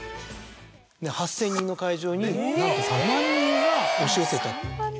８０００人の会場になんと３万人が押し寄せた。